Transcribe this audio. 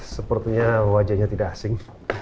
sepertinya wajahnya tidak asing